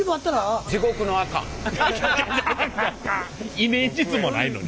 イメージ図もないのに。